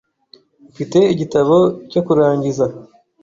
Mfite igitabo cyo kurangiza .